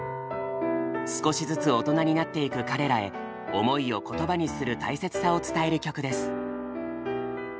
少しずつ大人になっていく彼らへ思いを言葉にする大切さを伝える曲です。